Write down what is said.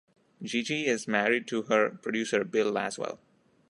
Gigi is married to her producer Bill Laswell.